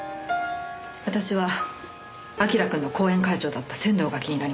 私は明君の後援会長だった仙堂が気になりました。